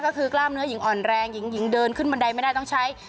ก็คือกล้ามเนื้อหญิงอ่อนแรงหญิงหญิงเดินขึ้นบันไดไม่ได้ต้องใช้